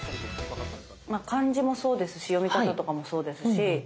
漢字もそうですし読み方とかもそうですし